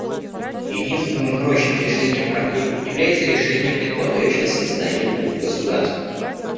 Единственным прочным решением проблемы является решение, предполагающее создание двух государств.